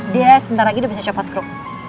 dia sebentar lagi udah bisa copot grup